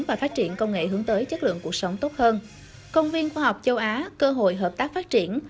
và phát triển công nghệ hướng tới chất lượng cuộc sống tốt hơn công viên khoa học châu á cơ hội hợp tác phát triển